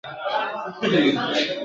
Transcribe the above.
در لېږل چي مي ګلونه هغه نه یم !.